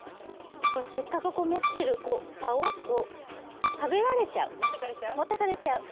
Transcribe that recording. せっかく持っている竿を食べられちゃう持ってかれちゃう。